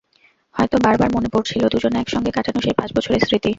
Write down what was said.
হয়তো বারবার মনে পড়ছিল দুজনে একসঙ্গে কাটানো সেই পাঁচ বছরের স্মৃতি।